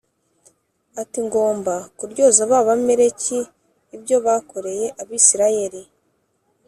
ati ngomba kuryoza b Abamaleki ibyo bakoreye Abisirayeli